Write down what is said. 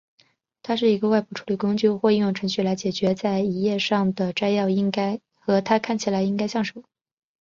它是一个外部处理工具或应用程序来决定在一页上的摘要应该和它看起来应该像什么。